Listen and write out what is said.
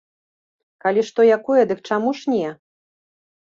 Калі што якое, дык чаму ж не!